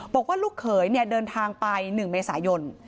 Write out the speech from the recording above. บอกว่าลูกเขยเดินทางไป๑เมษายน